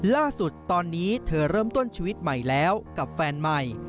ล่าสุดตอนนี้เธอเริ่มต้นชีวิตใหม่แล้วกับแฟนใหม่